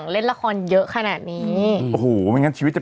เป็นการกระตุ้นการไหลเวียนของเลือด